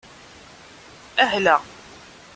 Ahla!